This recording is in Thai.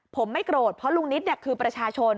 ผมไม่โกรธเพราะลุงนิตคือประชาชน